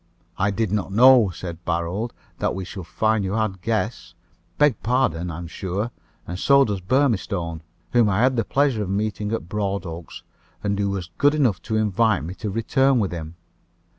"I did not know," said Barold, "that we should find you had guests. Beg pardon, I'm sure, and so does Burmistone, whom I had the pleasure of meeting at Broadoaks, and who was good enough to invite me to return with him."